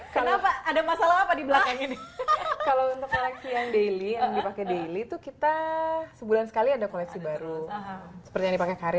kami idea menjual produk yang sudah di print setahun empat enam kali